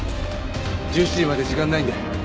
１７時まで時間ないんで。